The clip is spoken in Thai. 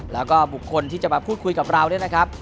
แล้วก็บุคคลที่จะมาพูดคุยกับเราเนี่ยนะครับ